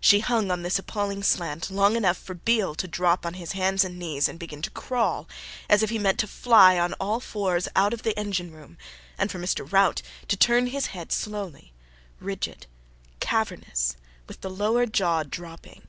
She hung on this appalling slant long enough for Beale to drop on his hands and knees and begin to crawl as if he meant to fly on all fours out of the engine room, and for Mr. Rout to turn his head slowly, rigid, cavernous, with the lower jaw dropping.